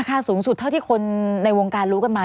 ค่าสูงสุดเท่าที่คนในวงการรู้กันมา